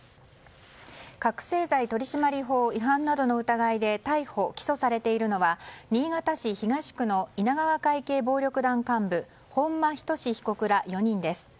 覚醒剤取締法違反などの疑いで逮捕・起訴されているのは新潟市東区の稲川会系暴力団幹部本間仁被告ら４人です。